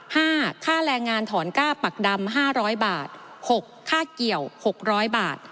ค่าแรงงานถอนก้าปักดำห้าร้อยบาทหกค่าเกี่ยวหกร้อยบาท